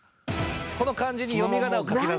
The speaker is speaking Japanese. この漢字に読み仮名を書きなさい。